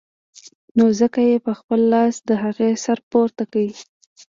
نو ځکه يې په خپل لاس د هغې سر پورته کړ.